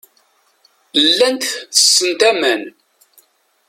Llant tessent aman.